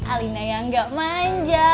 alina yang gak manja